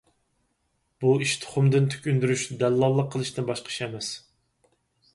بۇ ئىش تۇخۇمدىن تۈك ئۈندۈرۈش، دەللاللىق قىلىشتىن باشقا ئىش ئەمەس.